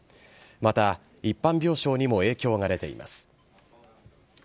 また、一般病床にも影響が出ています。